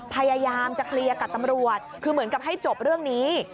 พยายามจะเคลียร์กับตำรวจคือเหมือนกับให้จบเรื่องนี้